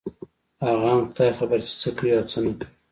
هغه هم خداى خبر چې څه کوي او څه نه کوي.